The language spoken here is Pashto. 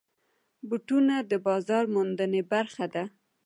بوټونه د بازار موندنې برخه ده.